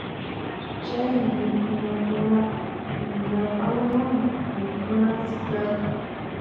Chay mikhunakunaqa llapan runaq mikhunansi karqan.